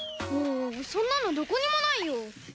んそんなのどこにもないよ！